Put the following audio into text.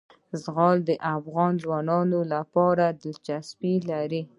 زغال د افغان ځوانانو لپاره دلچسپي لري.